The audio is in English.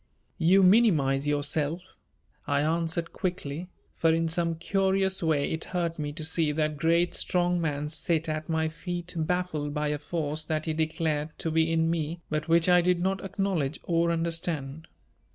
"You minimize yourself," I answered quickly, for in some curious way it hurt me to see that great strong man sit at my feet baffled by a force that he declared to be in me but which I did not acknowledge or understand.